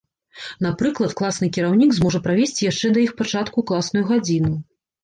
Напрыклад, класны кіраўнік зможа правесці яшчэ да іх пачатку класную гадзіну.